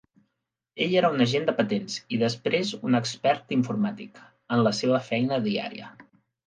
Ell era un agent de patents i després un expert informàtic en la seva feina diària.